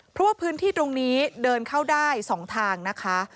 เพราะว่าพื้นที่ตรงนี้เดินเข้าได้๒ทางนะคะ